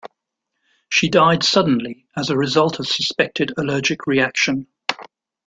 She died suddenly as a result of suspected allergic reaction.